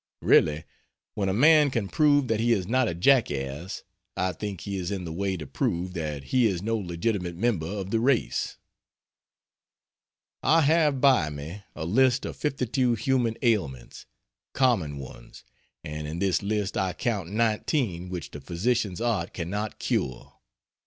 Really, when a man can prove that he is not a jackass, I think he is in the way to prove that he is no legitimate member of the race. I have by me a list of 52 human ailments common ones and in this list I count 19 which the physician's art cannot cure.